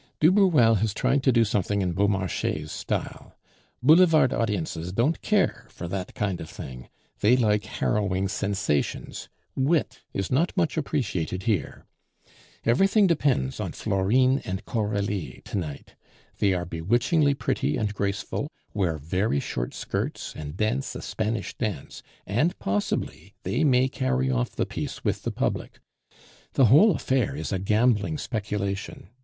"Du Bruel has tried to do something in Beaumarchais' style. Boulevard audiences don't care for that kind of thing; they like harrowing sensations; wit is not much appreciated here. Everything depends on Florine and Coralie to night; they are bewitchingly pretty and graceful, wear very short skirts, and dance a Spanish dance, and possibly they may carry off the piece with the public. The whole affair is a gambling speculation.